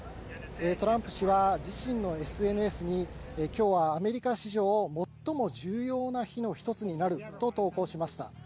トランプ氏は自身のＳＮＳに、今日はアメリカ史上最も重要な日の一つになると投稿しました。